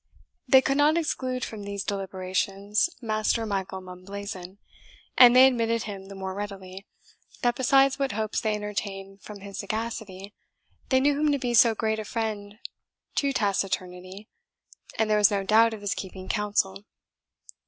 They could not exclude from these deliberations Master Michael Mumblazen; and they admitted him the more readily, that besides what hopes they entertained from his sagacity, they knew him to be so great a friend to taciturnity, that there was no doubt of his keeping counsel.